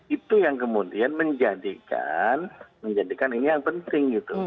itu yang kemudian menjadikan ini yang penting